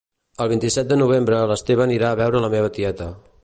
El vint-i-set de novembre l'Esteve anirà a veure la meva tieta